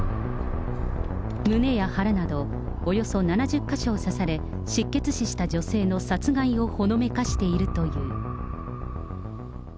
胸や腹など、およそ７０か所を刺され、失血死した女性の殺害をほのめかしているという。